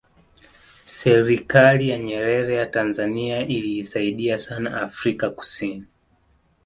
serikali ya nyerere ya tanzania iliisaidia sana afrika kusini